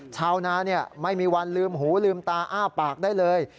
ชาวนาไม่มีวันลืมหูลืมตาอ้าปากได้เลย